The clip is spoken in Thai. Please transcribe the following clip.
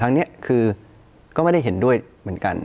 ครั้งนี้คือก็ไม่ได้เห็นด้วยเหมือนกัน